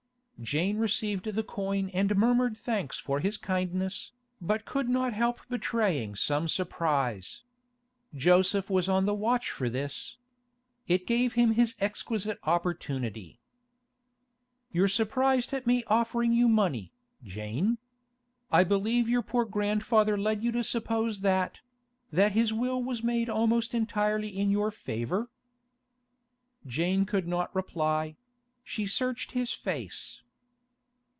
Jane received the coin and murmured thanks for his kindness, but could not help betraying some surprise. Joseph was on the watch for this. It gave him his exquisite opportunity. 'You're surprised at me offering you money, Jane? I believe your poor grandfather led you to suppose that—that his will was made almost entirely in your favour?' Jane could not reply; she searched his face.